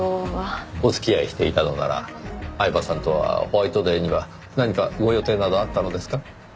お付き合いしていたのなら饗庭さんとはホワイトデーには何かご予定などあったのですか？